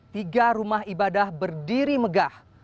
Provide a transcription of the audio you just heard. tiga rumah ibadah berdiri megah